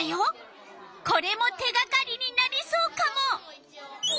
これも手がかりになりそうカモ！